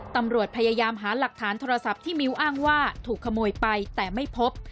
ตำรวจพยายามหาหลักฐานโทรศัพท์ที่มิ้วอ้างว่าถูกขโมยไปแต่ไม่พบ